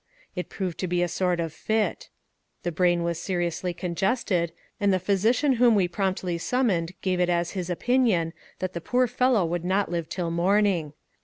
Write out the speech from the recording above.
It proved to be a sort of fit. The brain was seriously congested, and the physician whom we promptly summoned gave it as his opinion that the poor fellow would not live until morning.